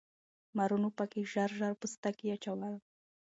مارانو پکې ژر ژر پوستکي اچول.